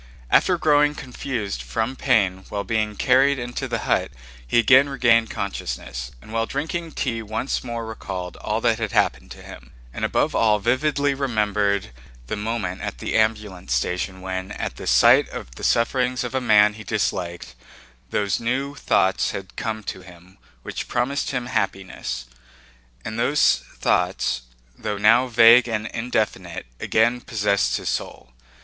After growing confused from pain while being carried into the hut he again regained consciousness, and while drinking tea once more recalled all that had happened to him, and above all vividly remembered the moment at the ambulance station when, at the sight of the sufferings of a man he disliked, those new thoughts had come to him which promised him happiness. And those thoughts, though now vague and indefinite, again possessed his soul.